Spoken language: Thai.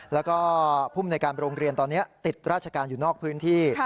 แล้วก็ภูมิในการโรงเรียนตอนนี้ติดราชการอยู่นอกพื้นที่